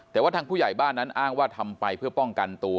แต่ว่าทางผู้ใหญ่บ้านนั้นอ้างว่าทำไปเพื่อป้องกันตัว